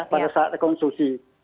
pada saat rekonstruksi ya